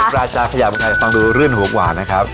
ราชาขยะมือใครฟังดูรื่นหุบหวานนะครับ